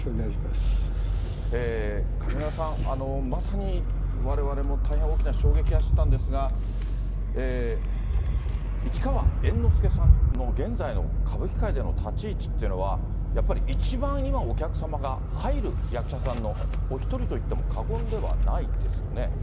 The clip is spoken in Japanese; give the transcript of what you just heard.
上村さん、まさにわれわれも大変大きな衝撃が走ったんですが、市川猿之助さんの現在の歌舞伎界での立ち位置っていうのは、やっぱり一番、今お客さんが入る役者さんのお一人と言っても過言ではないですよ